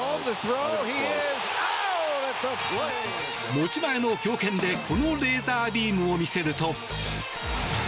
持ち前の強肩でこのレーザービームを見せると。